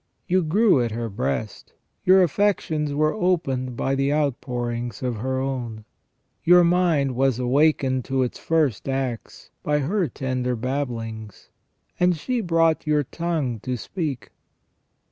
You grew at her breast ; your affections were opened by the outpourings of her own ; your mind was awakened to its first acts by her tender babblings ; and she brought your tongue to speak.